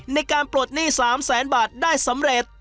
ในการปลดหนี้๓แสนบาทได้สำเร็จ